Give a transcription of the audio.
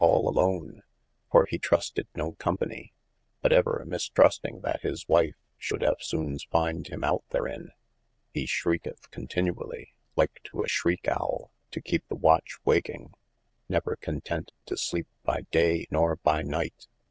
al alone, for he trusted no company, but ever mis trusting that his wife should eftsonnes finde him out therein, hee shricketh co[n]tynually lyke to a shrich owle to keepe the watch wakyng, never content to sleep by day nor by night.